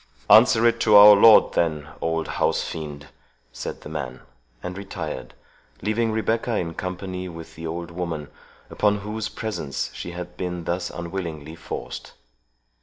"Answer it to our lord, then, old housefiend," said the man, and retired; leaving Rebecca in company with the old woman, upon whose presence she had been thus unwillingly forced.